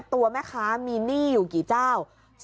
ตัวแม่ค้ามีหนี้อยู่กี่เจ้า